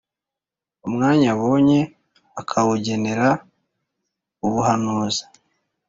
umwanya abonye akawugenera ubuhanuzi,